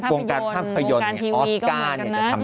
วงการภาพยนตร์วงการทีวีก็เหมือนกันนะวงการภาพยนตร์ออสการ